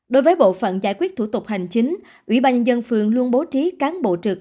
đối với bộ phận giải quyết thủ tục hành chính ubnd phường luôn bố trí cán bộ trực